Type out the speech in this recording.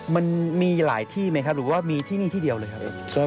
มันมีหลายที่ไหมครับหรือว่ามีที่นี่ที่เดียวเลยครับ